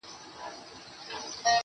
يو چا راته ويله لوړ اواز كي يې ملـگـــرو~